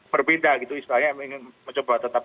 berbeda gitu istilahnya ingin mencoba tetap